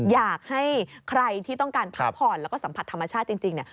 อยากให้ใครที่ต้องการพักผ่อนแล้วก็สัมผัสธรรมชาติจริงเนี่ย